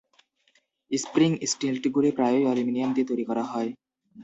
Spring স্টিল্টগুলি প্রায়ই aluminium দিয়ে তৈরি করা হয়।